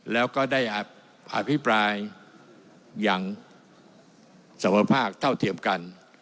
แล้วก็ได้อภิปรายอย่างสมภาคเท่าเทียมกัน